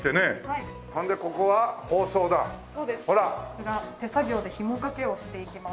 こちら手作業でひもかけをしていきます。